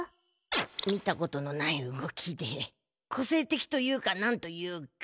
見たことのない動きでこせいてきというかなんというか。